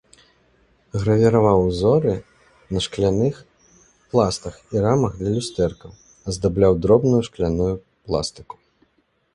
Гравіраваў узоры на шкляных пластах і рамах для люстэркаў, аздабляў дробную шкляную пластыку.